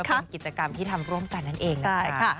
เป็นกิจกรรมที่ทำร่วมกันนั่นเองนะคะ